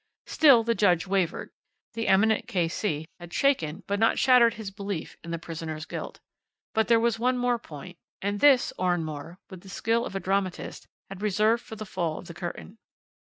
"Still the judge wavered. The eminent K.C. had shaken but not shattered his belief in the prisoner's guilt. But there was one point more, and this Oranmore, with the skill of a dramatist, had reserved for the fall of the curtain.